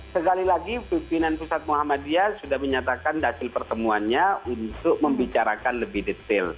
sekali lagi pimpinan pusat muhammadiyah sudah menyatakan hasil pertemuannya untuk membicarakan lebih detail